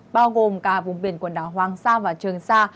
bao gồm cả vùng biển quần đảo hoàng sa và trường sa